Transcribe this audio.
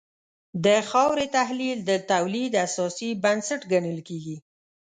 د خاورې تحلیل د تولید اساسي بنسټ ګڼل کېږي.